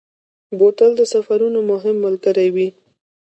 بوتل د سفرونو مهم ملګری وي.